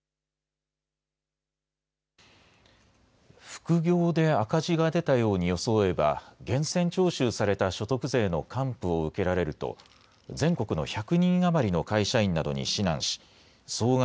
副業で赤字が出たように装えば源泉徴収された所得税の還付を受けられると全国の１００人余りの会社員などに指南し総額